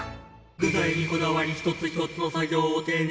「具材にこだわり一つ一つの作業をていねいに」